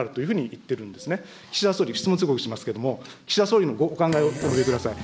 岸田総理、質問通告していますけれども、岸田総理のお考えをお述べください。